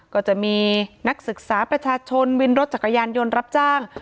ก็จะมีนักศึกษาประชาชนวินรถจักรยานยนต์รับจ้าง